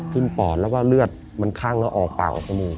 ทิ้มปอดแล้วก็เลือดมันคั่งแล้วออกเปล่า